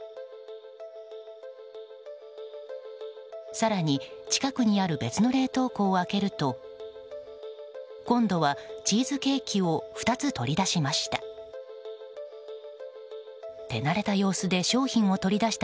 更に近くにある別の冷凍庫を開けると今度はチーズケーキを２つ取り出しました。